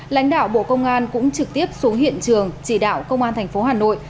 lãnh đạo bộ công an cũng trực tiếp xuống hiện trường chỉ đạo công an tp hà nội